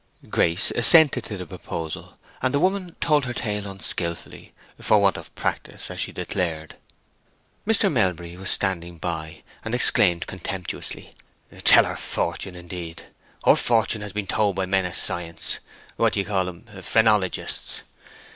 Grace assented to the proposal, and the woman told her tale unskilfully, for want of practice, as she declared. Mr. Melbury was standing by, and exclaimed, contemptuously, "Tell her fortune, indeed! Her fortune has been told by men of science—what do you call 'em? Phrenologists.